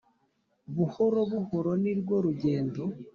Buhoro buhoro nirwo rugendo.